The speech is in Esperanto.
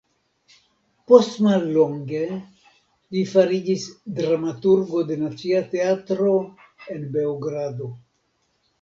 Post mallonge li fariĝis dramaturgo de Nacia Teatro en Beogrado.